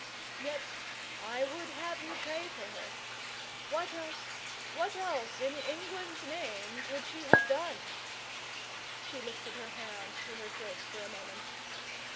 Yet I would have you pray for her! What else what else in England's name could she have done?' She lifted her hand to her throat for a moment.